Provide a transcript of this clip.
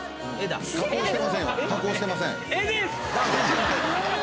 加工してませんよ。